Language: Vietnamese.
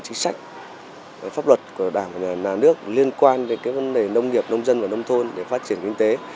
chính sách pháp luật của đảng và nhà nước liên quan đến vấn đề nông nghiệp nông dân và nông thôn để phát triển kinh tế